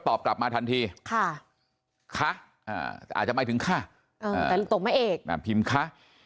ตอบกลับมาทันทีค่ะค่ะอ่าอาจจะหมายถึงค่ะเออแต่ตกไม่เอกน่าพิมพ์ค่ะ